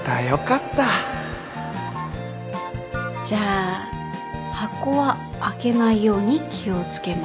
じゃあ箱は開けないように気を付けます